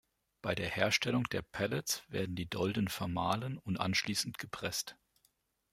Bei der Herstellung der Pellets werden die Dolden vermahlen und anschließend gepresst.